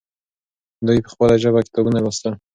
دوی په خپله ژبه کتابونه لوستل.